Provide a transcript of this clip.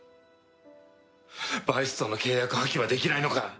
バイスとの契約破棄はできないのか？